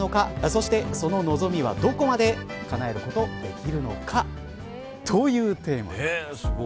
そして、その望みはどこまでかなえることができるのかというテーマです。